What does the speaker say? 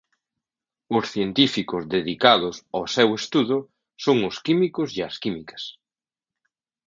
Os científicos dedicados ao seu estudo son os químicos e as químicas.